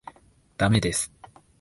駄目です。